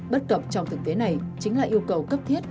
bất cập trong thực tế này chính là yêu cầu cấp thiết